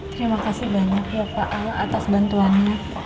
terima kasih banyak ya pak atas bantuannya